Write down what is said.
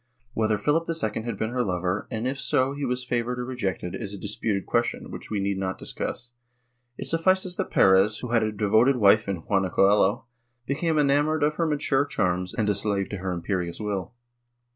Whether Philip II had been her lover, and if so whether he was favored or rejected, is a disputed question, which we need not discuss; it suffices that Perez, who had a devoted wife in Juana Coello, became enamoured of her mature charms and a slave to her imperious will.